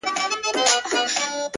o کيسې د پروني ماښام د جنگ در اچوم؛